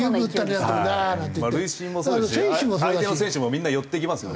塁審もそうですし相手の選手もみんな寄っていきますよね